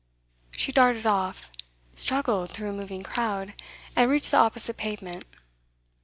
She darted off, struggled through a moving crowd, and reached the opposite pavement.